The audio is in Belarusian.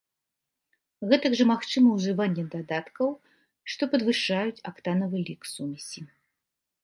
Гэтак жа магчыма ўжыванне дадаткаў, што падвышаюць актанавы лік сумесі.